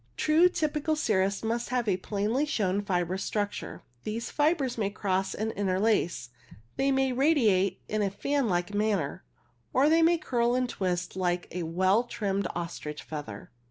True typical cirrus must have a plainly shown fibrous structure. The fibres may cross and inter lace, they may radiate in fan like manner, or they may curl and twist like a well trimmed ostrich feather.